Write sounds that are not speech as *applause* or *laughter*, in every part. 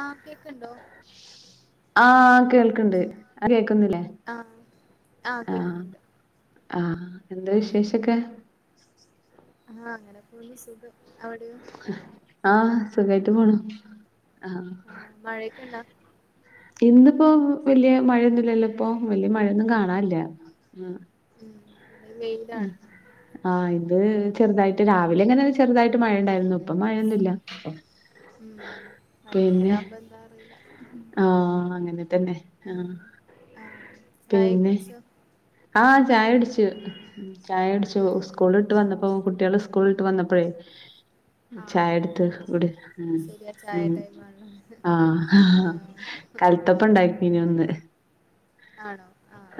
ആഹ് കേക്ക്ൺണ്ടൊ ആഹ് കേൾക്ക്ൺണ്ട് കേക്കുന്നില്ലെ ആഹ് ആഹ് കേക്ക്ന്നുണ്ട് ആഹ് എന്താ വിശേഷൊക്കെ ആഹ് അങ്ങനെ പോവുന്നു സുഖം അവിടെയോ ആഹ് സുഖായിട്ട് പോണു ആഹ് ഇന്നിപ്പോ വല്യെ മഴയൊന്നുല്ലലൊ ഇപ്പൊ വല്യെ മഴൊന്നും കാണാനില്ല ആഹ് ഉം ഇവ്ടെ വെയിലാണ് ആഹ് ഇത് ചെർതായിട്ട് രാവിലെ ഇങ്ങനൊരു ചെർതായിട്ട് മഴ ഇണ്ടായിർന്നു ഇപ്പ മഴൊന്നുല്ല ഉം വൈന്നേരം ആവുമ്പൊ എന്താ അറീല്ല ആഹ് അങ്ങനെ തന്നെ ഉം ആഹ് ആഹ് ആഹ് ചായെ പിന്നെ കുട്ച്ചൊ ആഹ് ചായ കുടിച്ചു ചായുടിച്ചു ഉം സ്കൂള് ട്ട് വന്നപ്പൊ കുട്ടീള് സ്കൂൾട്ട് വന്നപ്പഴെ ആഹ് ചായ ഇട്ത്ത് ഇവടെ ഉം ശരിയാ ചായ ഉം ടൈമാണ്. ആഹ് ആഹ് ഹാകൽ ത്തപ്പം ഇണ്ടാകിനു ഇന്ന് ആണൊ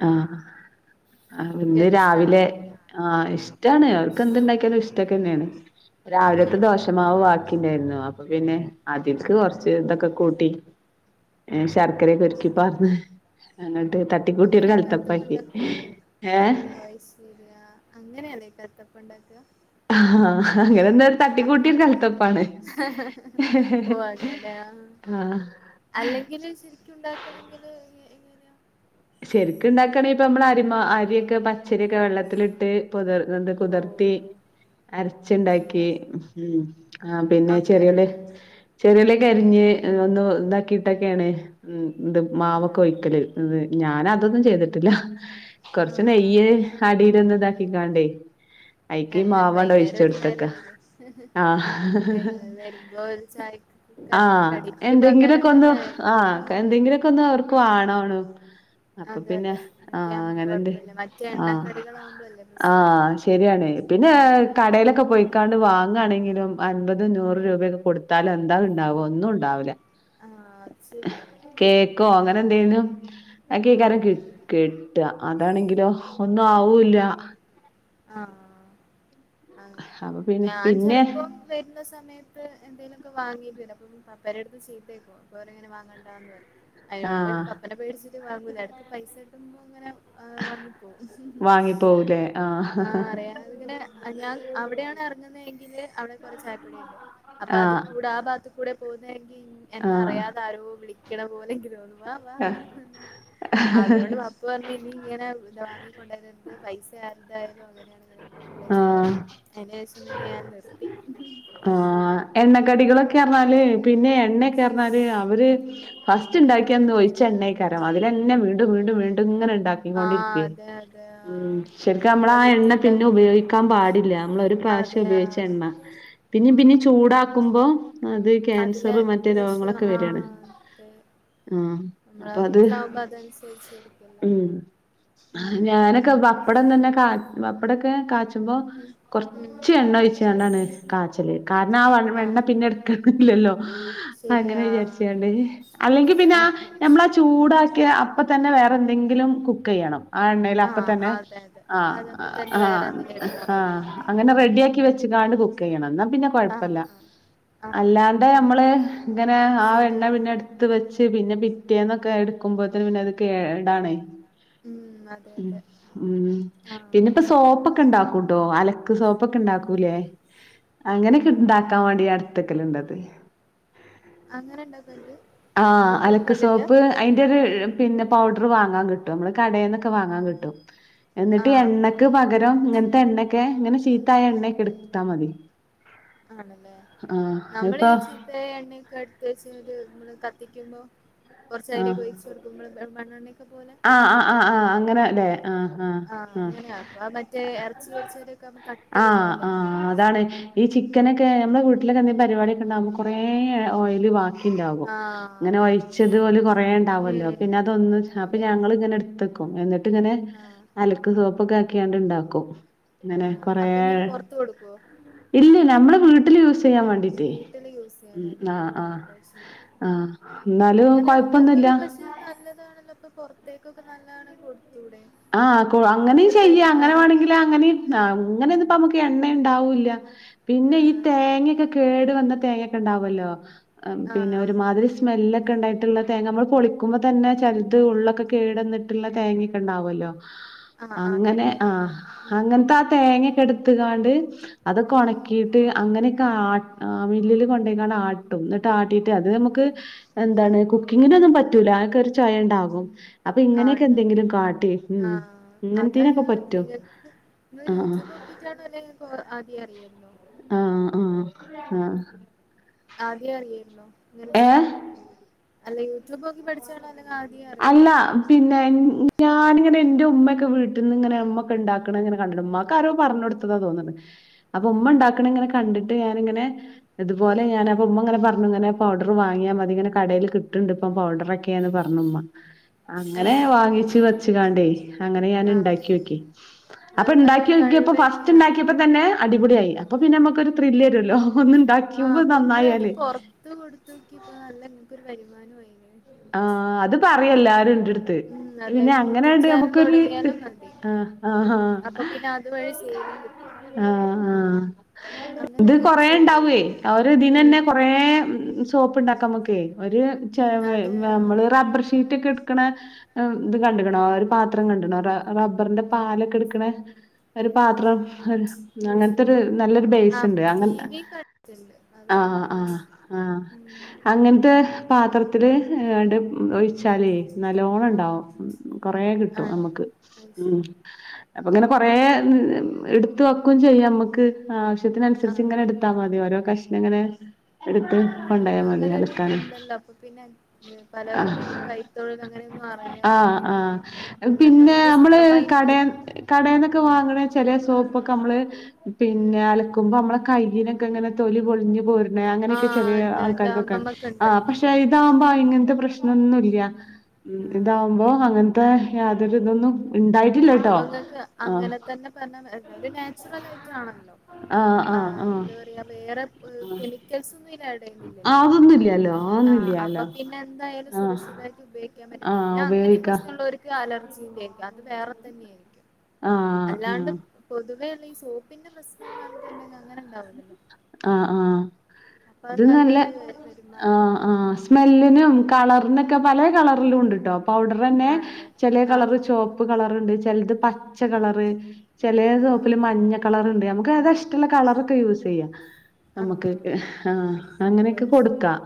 ആഹ് ആഹ് ഇന്ന് കുട്ട്യേൾക്ക് ഇഷ്ടാണോ? രാവിലെ ആഹ് ഇഷ്ടാണ് അവർക്ക് എന്ത്ണ്ട്യാക്കിയാലും ഇഷ്ടൊക്കെന്നേണ് രാവിലത്തെ ഉം ദോഷമാവ് വാക്കിണ്ടാർന്നു അപ്പൊ പിന്നെ അതിക്ക് കൊർച്ച് ഇതൊക്കെ കൂട്ടി ശർക്കര ഒക്കെ ഒരുക്കി ഉം പാർന്ന് അങ്ങ്ട്ട് ത തട്ടി കൂട്ടി ഒര് അങ്ങനെയാ കൽത്തപ്പാക്കി ഏഹ് ശരിയ അങ്ങനാല്ലെ കൽത്തപ്പണ്ടാക്ക ആഹ് അങ്ങനെന്ന ഒര് തട്ടിക്കൂട്ടി ആഹ് കൽത്തപ്പാണ് ഓ അങ്ങനെയാ ആഹ് അല്ലെങ്കില് ശെരിക്കു ഇണ്ടാക്കണെങ്കില് ഞി ശരിക്ക് ഇണ്ടാക്കണെങ്കി ഇപ്പ ഞമ്മളെ അരിമ അരിയെക്കെ പച്ചരിയൊക്കെ വെള്ളത്തിലിട്ട് പൊത്ർന്ന്ണ്ട് ഓ കുതർത്തി അരച്ച്ണ്ടാക്കി അങ്ങനെ ഉം ആഹ് പിന്നെ അങ്ങനെ ചെറിയുള്ളി ഉണ്ടാക്കും ചെറിയുള്ളിയെക്കെ ഉം അരിഞ്ഞ് ഒന്ന് ഇതാക്കിട്ടൊക്കേണ് ഇത് മാവൊക്കെ ആണല്ലേ ഒഴിക്കല് ഞാന് അതൊന്നും ചെയ്തിട്ടില്ല കൊറ്ച്ച് ആഹ് നെയ്യ് അടീലൊന്ന് ഇതാക്കിക്കാണ്ടെ അയ്ക്കീ എന്നാലും മാവാണ്ട് വൈന്നേരം ഒരു ഒഴ്ച്ചൊട്ത്ത്ക്ക നേരായില്ലേ ആഹ് വൈന്നേരം വരുമ്പോ ഒരു ചായക്ക് കടി ആഹ് കടിക്ക് പകരം എന്തെങ്കിലൊക്കൊന്ന് തന്നെ ആയല്ലോ ആഹ് ഉം എന്തെങ്കിലൊക്കൊന്ന് അവർക്ക് വാണാണും അപ്പ അതെ പിന്നെ അതെ ഇതൊക്കെ ആഹ് ആവുമ്പോ അങ്ങനെണ്ട് കൊഴപ്പല്ല മറ്റേ ആഹ് എണ്ണക്കടികളാവുമ്പളല്ലേ പ്രശ്നം ആഹ് ശരിയാണെ പിന്നെ ഏ ഉം കടേലൊക്കെ പോയിക്കാണ്ട് വാങ്ങാണെങ്കിലും അൻപത് നൂറ് രൂപയൊക്കെ കൊട്ത്താല് എന്താ ഇണ്ടാവ ഒന്നും ഇണ്ടാവൂല ആഹ് അത് ശരിയാ കേക്കോ ആഹ് അങ്ങനെന്തേലും ക്കെക്കാരം ആഹ് കിട്ട അതാണെങ്കിലൊ ഒന്നു ആവൂല്ല ആഹ് അങ്ങനെ അപ്പൊ പിന്നെ ഞാൻ പിന്നെ ചെൽപ്പൊ വര്ന്ന സമയത്ത് എന്തേലൊക്കെ വാങ്ങീട്ട് വരും അപ്പൊ പപ്പേരട്ത്ത്ന്ന് ചീത്തേക്കും പപ്പ പറയും ഇങ്ങനെ വാങ്ങണ്ടാന്ന് പറയും അയിനോണ്ട് ആഹ് പപ്പനെ പേടിച്ചിട്ട് വാങ്ങൂല എടക്ക് പൈസ കിട്ടുമ്പൊ ഇങ്ങനെ ആഹ് വാങ്ങിക്കും പോവുലേ ആഹ് ആഹ്, അറിയാതങ്ങനെ ഞാൻ അവിടെയാണ് എറങ്ങ്ന്നെ എങ്കില് അവിടെ കൊറേ ചായപ്പൊടിയിണ്ട് അപ്പൊ അത് ആഹ് കൂടെ ആ ഭാത്ത് കൂടെ പോവുന്നെങ്കി എന്നെ അറിയാത ആഹ് ആരോ വിളിക്കണ പോലെ ഇൻക്ക് തോന്നും വ വാ വാ പർഞാണ്ട് അതോണ്ട്, പപ്പ പ്പ പറഞ് ഇനിയിങ്ങനെ വാങ്ങിക്കൊണ്ടരരുത് പൈസ ആര്‌തെ ആയാലും അങ്ങനെയാണ് എന്നെ കൊറേ ആഹ് ചീത്തർഞ്ഞു അയിന്റെ ശേഷം പിന്നെ ഞാൻ നിർത്തി ആഹ് എണ്ണക്കടികളൊക്കെ അർഞ്ഞാല് പിന്നെ എണ്ണെക്കർഞാല് അവര് ഫസ്റ്റ് ഉം ഇണ്ടാക്കിയന്ന്, ഒഴി ച്ച എണ്ണയ്ക്കാരം അതിലെന്നെ വീണ്ടും വീണ്ടും വീണ്ടും ഇങ്ങനെണ്ടാക്കി ഇണ്ടാക്കി ആഹ് കൊണ്ടിരിക്കും അതെ അതെ ശരിക്കും കൊണ്ടിരിക്കെ ആഹ് മ് ശരിക്കും നമ്മള് നമ്മളെ ആ എണ്ണ പിന്നെ വീട്ടിലുണ്ടാക്കുന്നരില്ല ഉപയോഗിക്കാൻ പാടില്ല. നമ്മള് ഒരു പ്രാ ശ്യം അതെ ഉപയോഗിച്ച ആഹ് എണ്ണ പിന്നിം പിന്നിം ആഹ് ചൂടാക്കുമ്പോ അതെ അതിലെ ക്യാൻസറും, മറ്റേ വിഷം രോഗങ്ങളൊക്കെ വെരാണ് ആഹ് അതെ ആഹ് നമ്മളാ അപ്പൊ അത് വീട്ടിലാവുമ്പോ അതനുസരിച്ചിരിക്കല്ലോ ഉം ആ ഉം ഞാനൊക്കെ പ പ്പടം തന്നെ കാ പപ്പടൊക്കെ കാച്ചുമ്പോ ഉം ഉം കൊറച്ച് എണ്ണ ഒഴിച്ചാണ്ടാണ് കാച്ചല് കാരണം ആ വ വെണ്ണ ആഹ് പിന്നെ എടുക്കലില്ലല്ലോ അങ്ങനെ ശരിയാ വിചാരിച്ചാണ്ട് അല്ലെങ്കി പിന്നെ ആ ആഹ് ഞമ്മളാ ചൂടാക്കിയ അപ്പൊ തന്നെ വേറെ എന്തെങ്കിലും കുക്കെയ്യണം ആ എണ്ണയിൽ അപ്പ ആഹ് തന്നെ അതെ അതെ ആ അതപ്പ തന്നെ വേറെ ആഹ് എന്തെലും എടുത്താ മതി ആഹ് അങ്ങനെ റെഡി ആക്കി വെച്ച്കാണ്ട് കുക്കെയ്യണം ഇന്നാ പിന്നെ ആഹ് കൊഴപ്പല്ല ആഹ് ആഹ് അല്ലാതെ നമ്മള് ഇങ്ങനെ ആ എണ്ണ ശരിയാ പിന്നെ എട് ത്ത് വെച്ച് പിന്നെ പിറ്റേന്നൊക്കെ എടുക്കുമ്പോത്തിന് പിന്നെ അത് കേടാണ് ഉം അതെ അതെ ഉം ആഹ് പിന്നെപ്പോ സോപ്പൊക്കെ ഉണ്ടാക്കൂട്ടോ അലക്ക് സോപ്പൊക്കെ ഇണ്ടാക്കൂലേ? അങ്ങനക്കെ ആണ് ഇണ്ടാക്കാൻ വാണ്ടി ഞാ ഇട്ത്തക്കല്ണ്ടത് അങ്ങനെ ഇണ്ടാക്കല്ണ്ട് യൂട്യൂബ് കണ്ടിട്ടാ? അയിന്റെ ഒരു പിന്നെ പൗഡർ വാങ്ങാ കിട്ടും, നമ്മള് കടേന്നൊക്കെ വാങ്ങാ കിട്ടും എന്നിട്ട് ആഹ് ആഹ് എണ്ണക്ക് ആഹ് പകരം ഇങ്ങൻത്തെ എണ്ണൊക്കെ ഇങ്ങനെ ചീത്തായ എണ്ണക്കെ ആഹ് ഇടുത്താ മതി ആണല്ലേ ആഹ് നമ്മള് ഇപ്പൊ ഈ ചീത്ത എണ്ണയൊക്കെ എടുത് വച്ച്മ്മള് കത്തിക്കുമ്പോ ആഹ് കൊറച്ചയിലൊക്കെ ഒഴിച്ചു കൊടുക്കുമ്പള് മണ്ണെണ്ണൊക്കെ പോലെ ആഹ് ആഹ് ആഹ് ആഹ് അങ്ങനെല്ലേ ആഹ് ആഹ് അങ്ങനെയ പ്പ ആ മറ്റേ എറച്ചിപൊരിച്ചൊരു കം കട്ടി ആഹ് ഓയലല്ലോ ആഹ് അതാണ് ഈ ചിക്കനൊക്കെ നമ്മെ വീട്ടിലൊക്കെ എന്തങ്കി ലും പരിപാടിഒക്കെണ്ടാവുമ്പോ കൊറേ ഓയില് വാങ്ങി ഇണ്ടാകും ആഹ് ഇങ്ങനെ വയി അതാണ് വല് ഉം കുറേ ഇണ്ടാവല്ലോ ഉം പിന്നെ അതൊന്ന് അപ്പൊ അതെ ഞങ്ങള് ഇങ്ങനെ ഇ ട്ത്തക്കും എന്നിട്ട് ഇങ്ങനെ ആഹ് അല ക്ക് സോപ്പൊക്കെ ആക്കിയാണ്ട് ഇണ്ടാക്കും ഇങ്ങനെ ആഹ് കൊറേ അപ്പൊ എന്നിട്ട് പൊറത്ത് കൊടുക്കുവോ ഇല്ല നമ്മള് വീട്ടില് യൂ സയ്യാൻ വണ്ടീട്ട് വീട്ടില് യൂസ് ചെയ്യാനായിട്ട് ഓഹ് അത് ശരി ആഹ് ഹലോ അങ്ങനെ കൊയപ്പൊന്നുല്ല നല്ലൊരു പക്ഷെ നല്ലതാണല്ലോ ഇപ്പൊ പുറത്തേക്കൊക്കെ നല്ലതാണങ്കി കൊടുത്തൂടെ ആഹ് അങ്ങനി നമുക്കൊരു ചെയ്യാ അങ്ങനെ വരുമാനം വാണങ്കില് അങ്ങനെയ അങ്ങനന്ന് പ്പോ നമക്ക് എണ്ണ ഇണ്ടാവൂല്ല പിന്നെ ഈ ആഹ് തേങ്ങക്കെ കേടു വന്ന തേങ്ങൊക്കെ ഉണ്ടാവുല്ലോ പിന്നെ ആഹ് ഒരു മാതിരി സ്മെല്ലൊക്കെ ഇണ്ടായിട്ടുള്ള തേങ്ങ നമ്മള് പൊളിക്കുമ്പ തന്നെ ചലത് ഉള്ളൊക്കെ കേടന്ന്ട്ട് ള്ള തേങ്ങക്കെ ഇ ണ്ടാവും ആഹ് ആഹ് അങ്ങനെ ആഹ് കെട്ടൊക്കെയുള്ള ഉം അങ്ങനത്ത തേങ്ങക്കെ എടുത്ത് കാണ്ട് അതൊക്കെ ഉം ഉണക്കിയിട്ട് അങ്ങനൊക്കെ ആ ആഹ് മില്ലില് കൊണ്ടേയ്ങ്ങാണ്ട് ആട്ടും ന്നിട്ട് ആട്ടീട്ട് അത് നമുക്ക് എന്താണ് ഇങ്ങനെഒന്നും പറ്റൂല അതൊക്കൊരു ചൊയ ണ്ടാകും അപ്പൊ ആഹ് ഇങ്ങനെയൊക്കെ ഉണ്ടാവും എന്തെങ്കിലും കാട്ടെ ആഹ് അതാ ഞാൻ പറിണ് നിങ്ങൾക്ക് നിങ്ങള് ആഹ് യൂട്യൂബോക്കി ട്ടാണോഎല്ലേ ഇങ്ങക്ക് ആദ്യേ അറിയാരുന്നൊ ആഹ് ആഹ് ആഹ് ആദ്യേ അറിയായിര്ന്നോ ഇങ്ങനെ ചെ ഏഹ് അല്ലയൂ യൂട്യൂബ് നോക്കി പഠിച്ച പഠിച്ചാണോ അല്ലെന്ന് ആദ്യെ അല്ല അറിയുന്നതണോ പിന്നെ ഞാനിങ്ങനെ എന്റെ ഉമ്മയൊക്കെ വീട്ടിൽന്ന് ഇങ്ങെ അമ്മക്ക ഉണ്ടക്കണ ഇങ്ങനെ കണ്ടിട്ട് ഉമ്മാക്ക് ആരോ പറഞ്ഞ് കൊടുത്തത തോന്നത് അപ്പൊ ഉമ്മ ആഹ് ഉണ്ടാക്കണ ഇങ്ങനെ കണ്ടിട്ട് ഞാനിങ്ങനെ ഇതുപോലെ ഉം ഞാൻ അപ്പ ഉമ്മ അങ്ങനെ പറഞ്ഞു പൗഡർ വാങ്ങിയാ മതി ഇങ്ങനെ കടയിൽ കിട്ടുണ്ട് ഇപ്പം പൗഡറക്കെയാന്ന് പറഞ്ഞു ഉമ്മ അങ്ങനെ ആഹ് വാങ്ങിച്ചു വെച്ച കാണ്ടേ അങ്ങനെ ഞാൻ ആഹ് ഉണ്ടാക്കി നോക്കി അപ്പൊ അത് ഉണ്ടാക്കി നല്ലൊരു കഴിവ് നോക്കിയപ്പോ ഫസ്റ്റ് തന്നെയാണ് ഉണ്ടാക്കിയപ്പോ തന്നെ അടിപൊളിയായി അപ്പൊ ഉം പിന്നെ നമ്മക്കൊരു ത്രില്ല് വരുല്ലോ ഒന്ന് ഉണ്ടാക്കി ആഹ് അപ്പൊ നിങ്ങള അത് പൊറത്ത് കൊടുത്ത് നോക്കിപ്പോ നല്ല നിങ്ങക്കൊരു വരുമാനം ആയനേ ആഹ് അത് പറയും എല്ലാരും എൻ്റെടുത്ത് ഉം അതായത് യൂട്യൂബ് ചാനൽ തുടങ്ങിയാലും മതി ആഹ് ഉം ആഹാ അപ്പൊ പിന്നെ അതു വഴി സെയ്ലും കിട്ടും ആഹ് ആഹ് അങ്ങനെ ഇത് എന്തേലും കൊറെ ചെയ്ത് ഉണ്ടാവേ നോക്ക് അവര് ഇതിന് തന്നെ ഉം കൊറേ സോപ്പ് ഉണ്ടാക്കാം നോക്കേ ഒരു ഉം അതെ നമ്മള് റബ്ബർ ഷീറ്റ് ഒക്കെ എടുക്കണ ഇത് കണ്ടുകണോ ഒരു പാത്രം കണ്ടണോ റബ്ബറിന്റെ പാലൊക്കെ എടുക്കണ ഒരു ഇല്ല പാത്രം ഇല്ല അങ്ങനത്തെ ഇല്ല ഒരു നല്ലൊരു ആ ബേസ് ഉണ്ട് ടി അങ്ങനത്തെ വി കണ്ടിട്ടുണ്ട് ആഹ് അതാണെന്ന് ആഹ് തോന്നുന്നു ആഹ് ഉം അങ്ങനത്തെ പാത്രത്തില് ഒഴിച്ചാലേ നല്ലോണം ഉണ്ടാവും കൊറേ കിട്ടും ആണോ നമുക്ക് അത് ഉം ശരി അപ്പൊ ഇങ്ങനെ കൊറെ ഉവ്വ് എടുത്ത് വെക്കുകയും ചെയ്യാം നമ്മുക്ക് ആവശ്യത്തിന് ആ അനുസരിച്ച് ഇങ്ങനെ എടു എത്താ മതി ഓരോ കഷ്ണം ഇങ്ങനെ എടുത്ത് ആ നിങ്ങൾക്ക് കൊണ്ടായാൽ മതി അങ്ങനെ ഒരു അലക്കാന് ഇതുണ്ടല്ലോ അപ്പൊ പിന്നെ ഏ പലർക്കും ഇപ്പൊ കൈത്തൊഴിൽ അങ്ങനെയൊന്നും അറിയാത്ത ആഹ് ആൾക്കാരൊക്കെ ആഹ് നിങ്ങൾക്ക് പിന്നെ അങ്ങനെ നമ്മള് സ്വന്തമായി കടേ ഉണ്ടല്ലോ കടേന്നൊക്കെ ഉം വാങ്ങണ ചെല സോപ്പൊക്കെ നമ്മള് പിന്നെ ഉം അലക്കുമ്പോ നമ്മടെ കയ്യിന്നക്കെ അങ്ങനെ തൊലി പൊളിഞ്ഞു പോരു ണെ അങ്ങനെക്കെ ആഹ് ചെലേ ഉണ്ട് എന്റെ ആൾക്കാര്ക്കൊക്കെ അമ്മമ്മക്കുണ്ട് ആഹ് പ ഷേ ഇതാവുമ്പോ ഇങ്ങനത്തെ പ്രശ്നംന്നുല്ല്യ ഉം ആഹ് ഇതാവുമ്പോ അങ്ങൻത്തെ യതൊരു ഇതൊന്നും ഇണ്ടായി അപ്പോ ഇങ്ങക്ക് അങ്ങനെ തന്നെ പറഞ്ഞാ എന്തായാലും നാച്ചുറലായിട്ട് ആണല്ലോ ല്ലോ ആഹ് എന്താ പറയാ വേറെ കെമിക്കൽസ് ഒന്നുവി ആഡ് ചെയ്യുന്നില്ലല്ലോ അതൊന്നുംല്ലല്ലോ ആഹ് അപ്പ അതൊന്നുംല്ലല്ലോ. പിന്നെ എന്തായാലും ആഹ് സുരക്ഷിതായിട്ട് ഉപയോ ക്കാൻ പറ്റും ആഹ് പിന്നെ അങ്ങനെ ഉപയോഗിക്കാ പ്രശ്നമുള്ളവര് ക്ക് അലർജിൻറ്റാരിക്കും അത് വേറെ തന്നെ ആയിരിക്കും ആഹ് അല്ലാണ്ട് ആഹ്. പൊതുവെയിള്ള ഈ സോപ്പ് പിന്നെ പ്രശ്നംന്ന് പറഞ്ഞിട്ടുണ്ടെങ്കി അങ്ങനെ ഉണ്ടാവുലല്ലോ ആഹ് ആഹ് അപ്പോ അത് ഇത് നല്ലൊരു വരുമാന ഉം *unintelligible* കളറിനും പലേ കളറിലുംണ്ട്ട്ടോ പൗഡറന്നെ ആണല്ലേ ചെല ആഹ് കളറ് ചെ പ്പ്‌ കളറ്ണ്ട് ചെലത് പച്ച കളർറ് ചെല ഓഹ് സോപ്പില് ആഹ് മഞ്ഞ കളറ് നമുക്ക് ഏതാ ഇഷ്ടുള്ള കളറക്കെ യൂസ് ചെയ്യാം. നമുക്ക് ആഹ് ആഹ് അങ്ങനെക്കെ വോയിസ് മെയിൽ കൊടുക്കാം.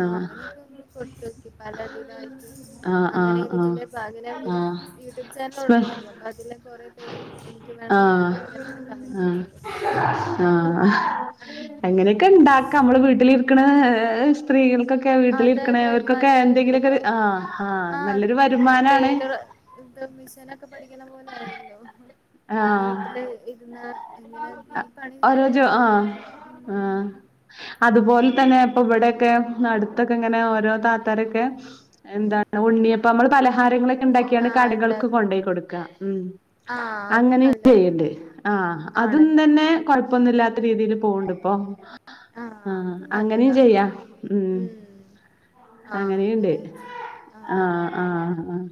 ആഹ് അങ്ങനെക്കെ ഞങ്ങള് കൊടുത്തുനോക്കി പല ഇതിലായിട്ട് ആഹ് അങ്ങനെ ആഹ് ആഹ് ചെയ്തിട്ടുണ്ടേ *unintelligible* ഒരു ആഹ് യൂട്യൂബ് ചാനൽ തൊടങ്ങിയ സ്മെ മതി അപ്പോ അതില് കൊറെ പേര് എനിക്ക് വേണം ന്നൊക്കെ ആഹ് പറഞ്ഞിട്ട് അങ്ങനെ കമന്റ് ഇട്ടോള്ളൂം ആഹ് ആഹ് അങ്ങനെക്കെ ഇണ്ടാക്കാം നമ്മള് വീട്ടിലിരിക്കണ ഏഹ് സ്ത്രീകൾക്കൊ ക്കെ അതെ വീട്ടിലിരിക്കണേ അതെ അത് അവർക്കൊക്കെ നല്ലൊരു ഇതില് എന്തെങ്കിലുക്കെ ഇപ്പൊ ആഹ് ആഹ് നല്ലൊരു വരുമാനാണ് ഇപ്പ മിഷനൊക്കെ പഠിക്കണ പോലെ ആയല്ലോ ആഹ് വീട്ടില് ഇരുന്ന് എങ്ങനെ ഈ പണി ഓരോ ചെയ്യാ ജോ ആഹ് അറിയാ ഉം ആഹ് അതുപോലെ തന്നെ ഇപ്പോ ഇവടെക്കെ അടു ത്തക്കെ ഉം ഇങ്ങനെ ഓരോ താത്താരൊക്കെ ഉം എന്താണ് ഉണ്ണിയപ്പം നമ്മള് പലഹാരങ്ങളെ ക്കെണ്ടാക്കിയാണ് ആഹ് കടകൾക്ക് ഇണ്ടാക്കും കൊണ്ടോയി കൊടുക്കാ ഉം ആഹ് അതും അങ്ങനേം നല്ലൊരു ഇത് ചെയ്യണ്ട് ആഹ് അതും ആണല്ലേ തന്നെ ആഹ് കൊഴപ്പൊന്നു ഇല്ലാത്ത രീതില് പോണ്ട് ഇപ്പോ ആഹ് അത് അങ്ങനേം നല്ലതാ ചെയ്യാ ആഹ് ഉം ആഹ് അങ്ങനെയുണ്ട് അങ്ങനെ ചെ ആഹ് ആഹ് ആഹ്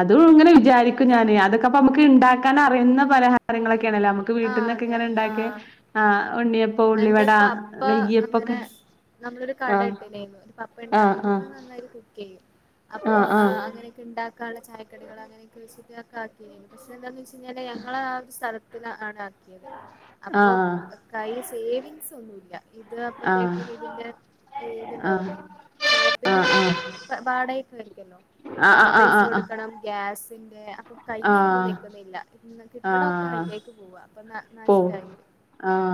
അതും ഇങ്ങനെ ഓഹ് വിചാരി ക്ക് ഞാന് അതൊക്കെപ്പം നമക്ക് ഇണ്ടാക്കൻ അറിയുന്ന പലഹാരങ്ങളൊക്കെയാണലോ നമ്മുക്ക് ആഹ് വീട്ടിനിന്നൊക്കെ അതെ ഇങ്ങനെ ഇണ്ടാക്കി ആഹ് ആഹ് ഉണ്ണിയ എന്റെ പപ്പ അങ്ങനെ നമ്മളൊരു കട ആഹ് ഇട്ടേയ്നെനു *unintelligible* പപ്പ ആഹ് ഇണ്ടാക്കുന്ന പപ്പ നന്നായി കുക്കെയ്യും. അപ്പോ ആഹ് ആഹ് അങ്ങനൊക്കെണ്ടാക്കാള്ള ചായക്കടികള് അങ്ങനൊക്കെ വച്ചിട്ടൊക്കെ ആക്കിരുന്നു പക്ഷെ എന്താന്ന് വെച്ച ഇങ്ങനെ ഞങ്ങളെ ആ ഒരു സ്ഥലത്തില് ആണ് ആക്കിയത് അപ്പോ ആഹ് കൈ സേവിങ്സ് ഒന്നുവില്ല ഇത് ആഹ് അപ്പത്തേക്കും ഇതിന്റെ ആഹ് ആഹ് ഇത്ണ്ടാവല്ലോ ഷോപ്പിന് ആഹ് വാടകക്കാരിക്കുലോ അപ്പോ ആ ആഹ് ആഹ് ആഹ് ആഹ് പൈസ ആഹ് കൊടുക്കണം ഗ്യാസിന്റെ അപ്പം കയ്യിലൊന്നും ആഹ് നിക്കുന്നില്ല കിട്ടണൊക്കെ ആഹ് അയിലേക്ക് പോവ അപ്പോ ന പോ നഷ്ടായിപ്പോയി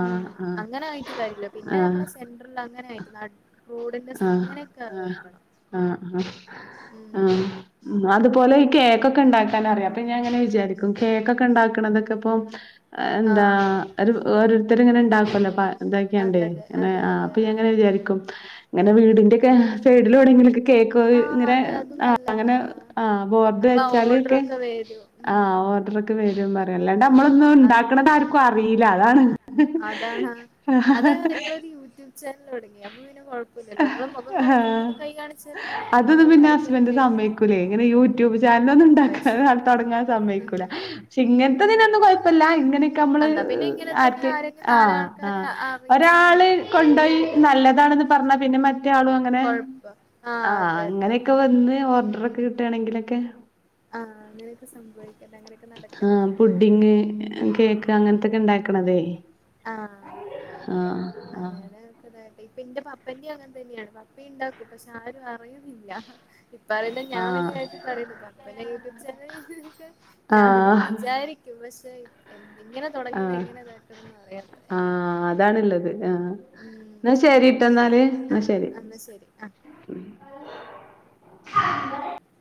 ഉം ആഹ് അങ്ങനെ ആയിട്ട് കാര്യല്ല പിന്നെ ആഹ് നമ്മളെ സെൻട്രല് അങ്ങനെ ആയിട്ട് നാ റോഡിന്റെ സ ആഹ് അങ്ങനെയൊക്കെ ആഹ് വെക്കണം ആഹ് ആഹ് ഉം ആഹ് ഉം അതുപോലെ ഈ കേക്കൊക്കെ ഇണ്ടാക്കാൻ അറിയാം അപ്പോ ഞാൻ അങ്ങനെ വിചാരിക്കും കേക്കൊക്കെ ഇണ്ടാക്കണതൊക്കെ ഇപ്പോം എന്താ ആഹ് ഒരു ഓരോരുത്തർ ഇങ്ങനെ ഉണ്ടാക്കുമല്ലോ. അതെ എന്താക്കെയണ്ടേ അതെ എന്നനെ അതെ ആഹ് അതെ അപ്പൊങ്ങനെ വിചാരിക്കും. ഇങ്ങനെ വീടിന്റെക്കെ സൈഡിൽ വേണെങ്കിലൊക്കെ കേക്ക്‌. ആഹ് ഇങ്ങനെ അതെ അത് ആഹ് നല്ലതാ അങ്ങനെ ആഹ് ബോർഡ് അപ്പൊ വെച്ചാല് ഒക്കെ. ഓർഡറൊക്കെ വരും ഉം ആഹ് ഓർഡർ ഒക്കെ വരു പറയും അല്ലാണ്ട് ആഹ് നമ്മളൊന്നും അത് ഉണ്ടാക്കണത് ആർക്കും അറീയില്ല അതാണ്. അതാണ് അത നിങ്ങളൊരു യൂട്യൂബ് ചാനൽ തുടങ്ങി അപ്പൊ പിന്നെ കൊഴ ല്ലോ മുഖം ഹാ കാണിക്കണംന്നില്ല കൈ കാണിച്ചാലും മതി അതൊന്നും മുഖം പിന്നെ കാണിക്കാന് ഹസ്ബൻഡ് പേടി. സമ്മയ്ക്കൂലേ ഇങ്ങനെ യൂട്യൂബ് ചാനല ഒന്നും ഓഹ് അത് ഉണ്ടാക്കാെ ശരി തുടങ്ങാൻ സമ്മയ്ക്കൂല പക്ഷെ ഓഹ് ഇങ്ങനത്തതിനൊന്നും കൊഴ. പ്പല്ല ഇങ്ങനെയൊക്കെ മ്മള് എന്നാ പിന്നെ ഇങ്ങനെ തന്നെ ആഹ് ആരെങ്കിലും ആഹ് ആഹ് നാലാൾക്കാരെ അറിയിച്ചാ ഒരാള് മതി കൊണ്ടോയി നല്ലതാണെന്ന് പറഞ്ഞാ പിന്നെ മറ്റേ ആളും അങ്ങ അങ്ങനെ കൊഴപ്പം ആഹ് അതെ അതെ അതെ അങ്ങനെയൊക്കെ വന്ന് ഓർഡർ ഒക്കെ കിട്ടാണെങ്കിലൊക്കെ. ആഹ് അങ്ങനെയൊക്കെ സംഭവിക്കട്ടെ അങ്ങനെയൊക്കെ നടക്കട്ടെ. ആഹ് *unintelligible* കേക്ക് അങ്ങനത്തൊക്കെ ഇണ്ടാക്കണതെ. ആഹ് ആഹ് ആഹ് അങ്ങനൊക്കെ കേക്ക ഇപ്പ ന്റെ പപ്പന്റെയും അങ്ങനെ തന്നെയാണ് പപ്പ ഉണ്ടാക്കും പക്ഷെ ആരും. യുന്നില്ല ഇപ്പ പറയുന്ന ഞാൻ വലിയായിട്ട് ആഹ് പറയ്ണ്ട് പപ്പന്റ് യൂട്യൂബ് ചാനൽക്കെ ഞാനും ആഹ് വിചാരിക്കും പക്ഷെ എ എങ്ങനെ തുടങ്ങണെ എങ്ങനെ ഇതാക്കണംന്ന് അറിയണ്ടെ. അതാണുള്ളത് ആഹ് എന്നാ ശരി ട്ടൊന്നാല് എന്നാ ശരി. എന്നാൽ ശരി ആഹ്